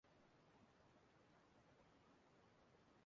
ọha mmụọ na ọha mmadụ amara aha echichi ya.